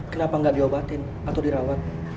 kenapa nggak diobatin atau dirawat